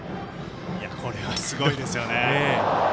これはすごいですよね。